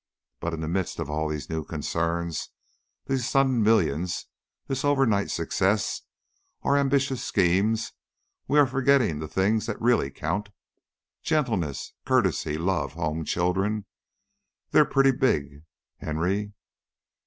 But in the midst of all these new concerns, these sudden millions, this overnight success, our ambitious schemes, we are forgetting the things that really count. Gentleness, courtesy, love, home, children: they're pretty big, Henry.